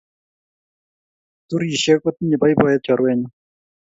Turishe kotinye boiboyee chorwenyu.